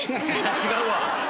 違うわ！